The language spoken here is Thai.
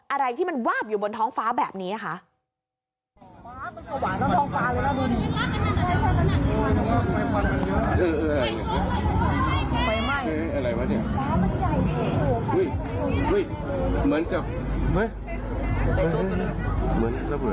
อะไรที่มันวาบอยู่บนท้องฟ้าแบบนี้ค่ะ